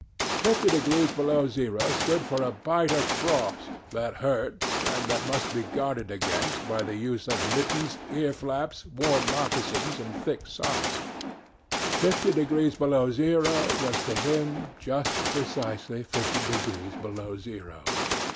Fifty degrees below zero stood for a bite of frost that hurt and that must be guarded against by the use of mittens, ear flaps, warm moccasins, and thick socks. Fifty degrees below zero was to him just precisely fifty degrees below zero.